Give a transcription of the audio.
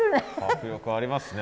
迫力ありますね。